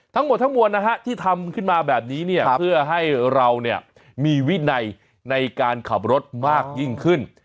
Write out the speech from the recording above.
ทั้งหมดทั้งมวลนะฮะที่ทำขึ้นมาแบบนี้เนี่ยเพื่อให้เราเนี่ยมีวินัยในการขับรถมากยิ่งขึ้น